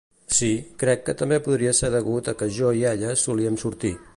Sí, crec que també podria ser degut a que jo i ella solíem sortir.